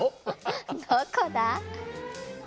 どこだ？